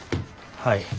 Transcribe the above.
はい。